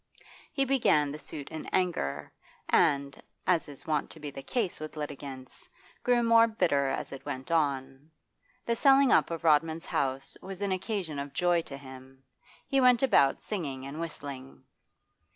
He began the suit in anger, and, as is wont to be the case with litigants, grew more bitter as it went on. The selling up of Rodman's house was an occasion of joy to him; he went about singing and whistling.